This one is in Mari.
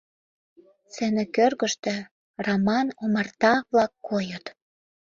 Сцена кӧргыштӧ раман омарта-влак койыт.